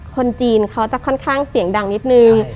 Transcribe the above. คนจีนเขาจะค่อนข้างเสียงดังนิดนึง